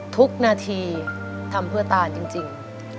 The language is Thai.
ทุกนาทีทำเพื่อตาจริง